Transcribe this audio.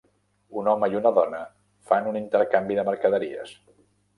Un home i una dona fan un intercanvi de mercaderies.